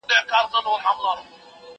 د همزولو له ټولۍ سره به سيال واى